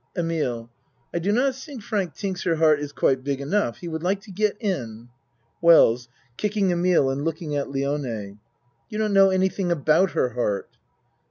EMILE I do not sink Fritz tinks her heart is quite big enough. He would like to get in. WELLS (Kicking Emile and looking at Lione.) You don't know anything about her heart.